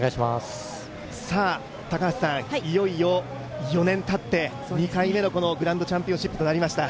高橋さん、いよいよ４年たって２回目のグランドチャンピオンシップとなりました。